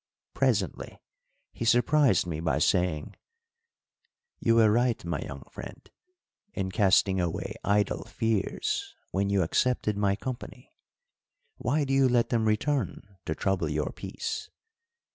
Presently he surprised me by saying: "You were right, my young friend, in casting away idle fears when you accepted my company. Why do you let them return to trouble your peace?